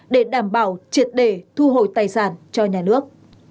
để đảm bảo triệt để thu hồi tài sản cho nhà nước